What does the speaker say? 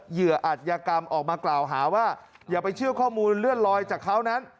เห่ออัธยกรรมออกมากล่าวหาว่าอย่าไปเชื่อข้อมูลเลื่อนลอยจากเขานั้น